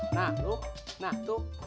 nah lu nah tuh